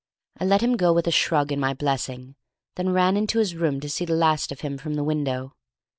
I let him go with a shrug and my blessing, then ran into his room to see the last of him from the window.